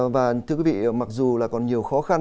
và thưa quý vị mặc dù là còn nhiều khó khăn